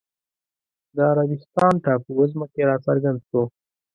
د عربستان ټاپووزمه کې راڅرګند شو